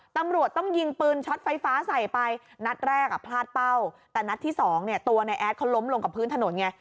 ตัวในแอดเขาล้มลงกับพื้นถนนไง